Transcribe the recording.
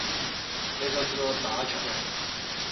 你信唔信我打柒你？